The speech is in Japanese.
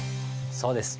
そうです。